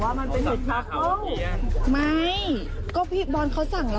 วิทยาลัยศาสตร์อัศวิทยาลัยศาสตร์